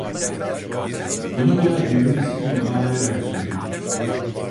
Bunu bana evvelisi gün ağlayarak söyledi.